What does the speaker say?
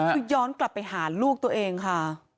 คือย้อนกลับไปหาลูกตัวเองค่ะ